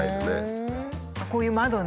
こういう窓ね。